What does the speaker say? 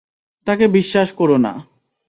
তাকে বিশ্বাস করো না!